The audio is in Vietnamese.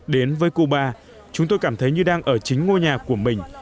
đến với cuba chúng tôi cảm thấy như đang ở chính ngôi nhà của mình